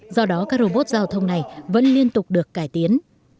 do đó các robot giao thông này vẫn liên tục được cải tiến